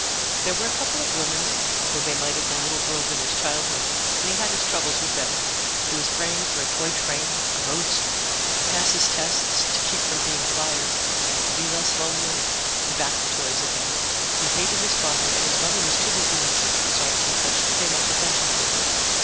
There were a couple of women, though they might have been little girls in his childhood, and he had his troubles with them. He was praying for a toy train, a roadster, to pass his tests, to keep from being fired, to be less lonely, and back to toys again. He hated his father, and his mother was too busy with church bazaars and such to pay much attention to him.